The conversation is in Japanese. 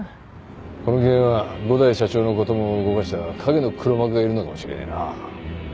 この件は五大社長の事も動かした影の黒幕がいるのかもしれないな。